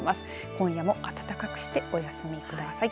今夜も暖かくしてお休みください。